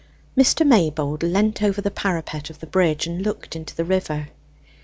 Mr. Maybold leant over the parapet of the bridge and looked into the river.